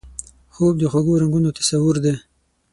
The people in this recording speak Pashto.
خوب د خوږو رنګونو تصور دی